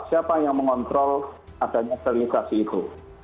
siapa yang mengontrol adanya sterilisasi itu